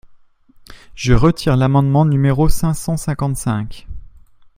Je retire l’amendement numéro cent cinquante-cinq.